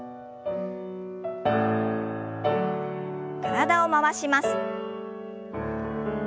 体を回します。